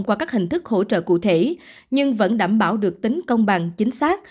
và hỗ trợ cụ thể nhưng vẫn đảm bảo được tính công bằng chính xác